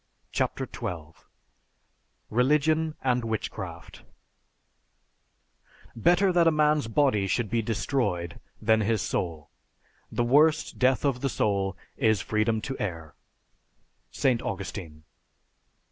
CHAPTER XII RELIGION AND WITCHCRAFT Better that a man's body should be destroyed than his soul. The worst death of the soul is freedom to err. ST. AUGUSTINE.